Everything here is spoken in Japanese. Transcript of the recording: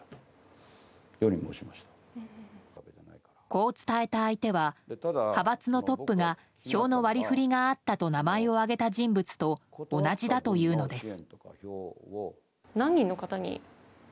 こう伝えた相手は派閥のトップが票の割り振りがあったと名前を挙げた人物と同じだというのです。